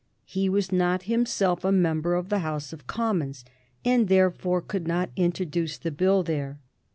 He was not himself a member of the House of Commons, and therefore could not introduce the Bill there.